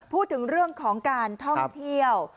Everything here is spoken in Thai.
พูดถึงเรื่องของการท่องเที่ยว